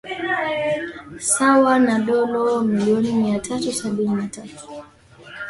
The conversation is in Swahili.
sawa na dolo milioni mia moja sabini na tatu